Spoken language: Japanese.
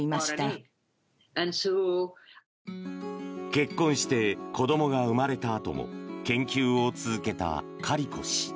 結婚して子どもが生まれたあとも研究を続けたカリコ氏。